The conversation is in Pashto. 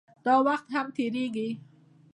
داوخت هم تېريږي